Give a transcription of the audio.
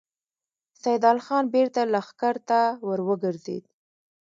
سيدال خان بېرته لښکر ته ور وګرځېد.